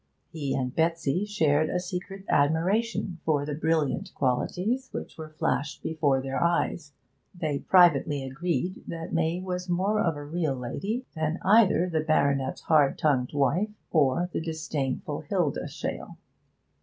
He and Betsy shared a secret admiration for the brilliant qualities which were flashed before their eyes; they privately agreed that May was more of a real lady than either the baronet's hard tongued wife or the disdainful Hilda Shale.